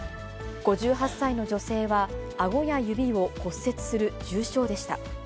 ５８歳の女性は、あごや指を骨折する重傷でした。